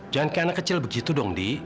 jangan ke anak kecil begitu dong di